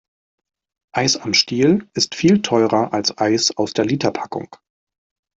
Eis am Stiel ist viel teurer als Eis aus der Literpackung.